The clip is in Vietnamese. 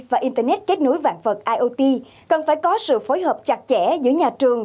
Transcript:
và internet kết nối vạn vật iot cần phải có sự phối hợp chặt chẽ giữa nhà trường